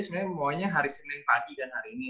sebenernya maunya hari senin pagi kan hari ini